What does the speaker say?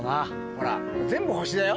ほら全部星だよ。